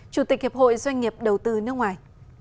chủ tịch hiệp hội doanh nghiệp đầu tư nước ngoài